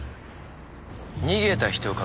逃げた人影。